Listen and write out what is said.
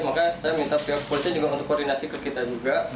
maka saya minta pihak polisi juga untuk koordinasi ke kita juga